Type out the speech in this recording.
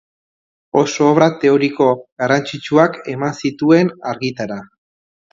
Oso obra teoriko garrantzitsuak eman zituen argitara.